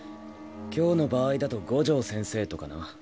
今日の場合だと五条先生とかな。